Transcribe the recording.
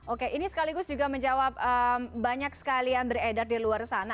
oke ini sekaligus juga menjawab banyak sekali yang beredar di luar sana